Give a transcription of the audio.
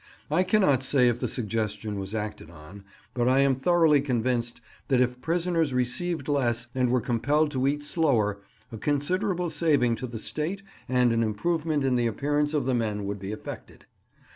I cannot say if the suggestion was acted on, but I am thoroughly convinced that if prisoners received less, and were compelled to eat slower, a considerable saving to the state and an improvement in the appearance of the men would be effected.